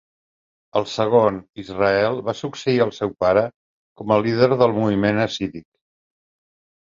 El segon, Israel, va succeir al seu pare com a líder del moviment hassídic.